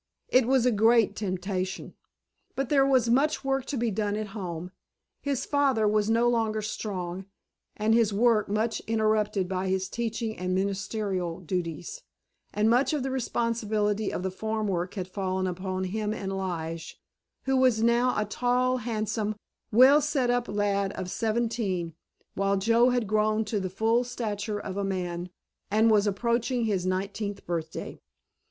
It was a great temptation. But there was much work to be done at home, his father was no longer strong, and his work much interrupted by his teaching and ministerial duties, and much of the responsibility of the farm work had fallen upon him and Lige, who was now a tall, handsome, well set up lad of seventeen, while Joe had grown to the full stature of a man, and was approaching his nineteenth birthday.